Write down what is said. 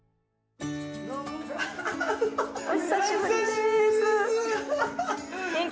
お久しぶりです。